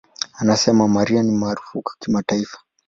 Anasema, "Mariah ni maarufu kimataifa.